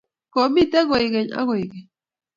Komitei koikeny ak koikeny